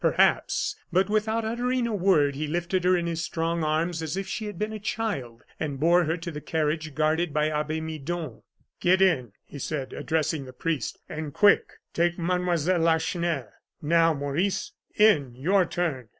Perhaps; but without uttering a word, he lifted her in his strong arms as if she had been a child and bore her to the carriage guarded by Abbe Midon. "Get in," he said, addressing the priest, "and quick take Mademoiselle Lacheneur. Now, Maurice, in your turn!"